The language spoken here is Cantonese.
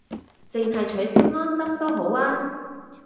淨係取消安心都好吖